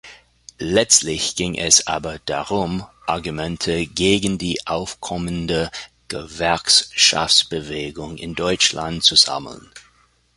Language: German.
Letztlich ging es aber darum, Argumente gegen die aufkommende Gewerkschaftsbewegung in Deutschland zu sammeln.